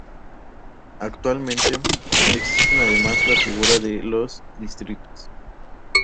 Actualmente, existen además la figura de los "Distritos".